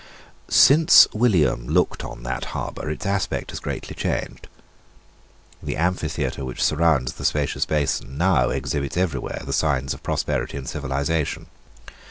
Since William looked on that harbour its aspect has greatly changed. The amphitheatre which surrounds the spacious basin now exhibits everywhere the signs of prosperity and civilisation.